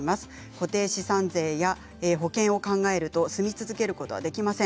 固定資産税や保険を考えると住み続けることはできません。